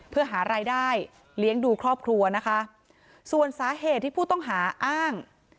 เพื่อหารายได้เลี้ยงดูครอบครัวนะคะส่วนสาเหตุที่ผู้ต้องหาอ้าง